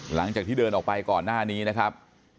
หลังจากที่เดินออกไปก่อนหน้านี้นะครับ